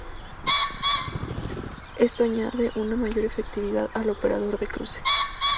Esto añade una mayor efectividad al operador de cruce.